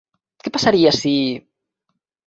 Què passaria si...?